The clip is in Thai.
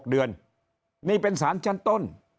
๖เดือนนี่เป็นสารชั้นต้น